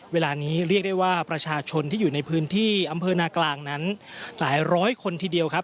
เวลานี้เรียกได้ว่าประชาชนที่อยู่ในพื้นที่อำเภอนากลางนั้นหลายร้อยคนทีเดียวครับ